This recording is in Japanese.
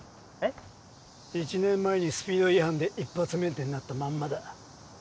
１年前にスピード違反で一発免停になったまんまだ。